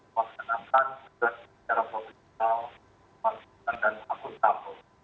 masyarakat akan juga secara profesional memasukan dan mengakuntam